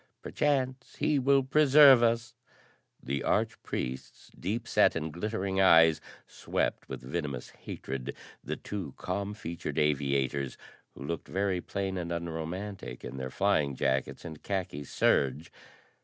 Perchance he will preserve us." The arch priest's deep set and glittering eyes swept with venomous hatred the two calm featured aviators, who looked very plain and unromantic in their flying jackets and khaki serge.